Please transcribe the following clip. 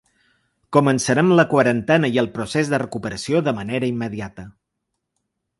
Començarem la quarantena i el procés de recuperació de manera immediata.